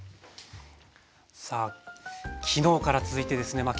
さあ昨日から続いてですねまあ